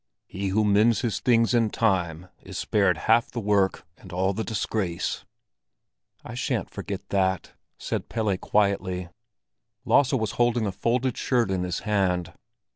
"He who mends his things in time, is spared half the work and all the disgrace." "I shan't forget that," said Pelle quietly. Lasse was holding a folded shirt in his hand.